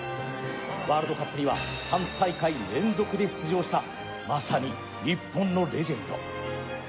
ワールドカップには３大会連続で出場したまさに日本のレジェンド。